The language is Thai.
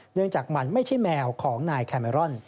เนื่องจากมันไม่ใช่แมวของนายแคเมรอน